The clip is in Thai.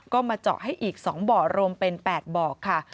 ก็มาเจาะให้อีก๒บ่อรวมเป็น๘บ่อค่ะ